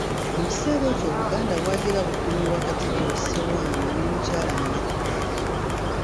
Mu kiseera ekyo Obuganda bwagira bukuumibwa Katikkiro Ssebwana n'Omukyala Nnakku.